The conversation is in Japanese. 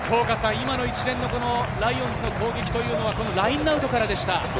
今の一連のライオンズの攻撃というのはラインアウトからでした。